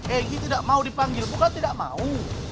egy tidak mau dipanggil bukan tidak mau